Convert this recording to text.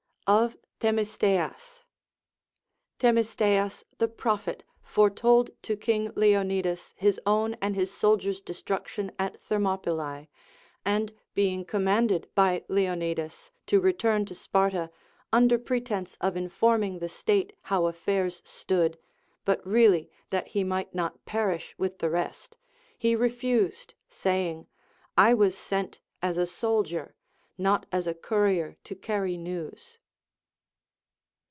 Of Themisteas. Themisteas the prophet foretold to King Leonidas his own and his soldiers' destruction at Thermopylae, and be ing commanded by Leonidas to return to Sparta, under pretence of informing the state how affairs stood, but really that he might not perish with the rest, he refused, saying, I was sent as a soldier, not as a courier to carry news.